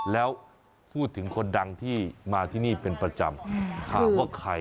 แล้วพูดถึงคนดังที่มาที่นี่เป็นประจำถามว่าใคร